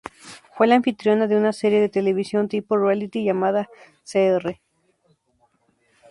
Fue la anfitriona de una serie de televisión tipo ""reality"" llamada Sr.